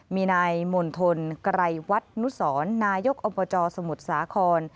มีนายมณฑลไกรวัตนุสรนายกอบจสมุทรสาคร